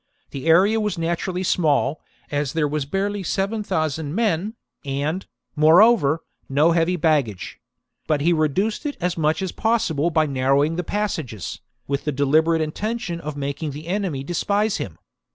The area was naturally small, as there were barely seven thousand men, and, moreover, no heavy baggage ; but he reduced it as much as possible by narrowing the passages, with the deliberate intention of making the enemy despise him.